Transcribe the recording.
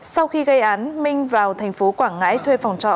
sau khi gây án minh vào thành phố quảng ngãi thuê phòng trọ